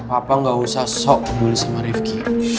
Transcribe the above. papa gak usah sok peduli sama rifki